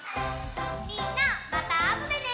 みんなまたあとでね！